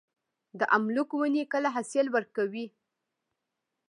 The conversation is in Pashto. د املوک ونې کله حاصل ورکوي؟